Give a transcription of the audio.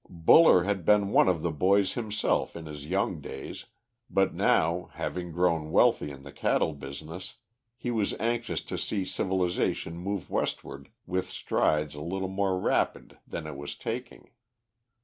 Buller had been one of the boys himself in his young days, but now, having grown wealthy in the cattle business, he was anxious to see civilisation move westward with strides a little more rapid than it was taking.